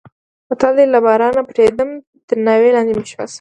متل دی: له بارانه پټېدم تر ناوې لاندې مې شپه شوه.